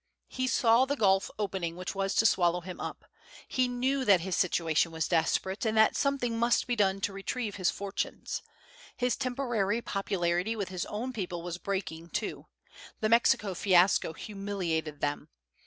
He saw the gulf opening which was to swallow him up; he knew that his situation was desperate, and that something must be done to retrieve his fortunes. His temporary popularity with his own people was breaking, too; the Mexican fiasco humiliated them.